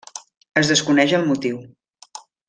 Es desconeix el motiu.